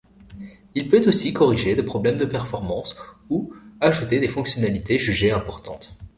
Il peut aussi corriger des problèmes de performance ou ajouter des fonctionnalités jugées importantes.